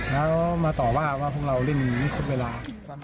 แล้วมาต่อว่าพวกเราริ่มไม่คุ้นเวลา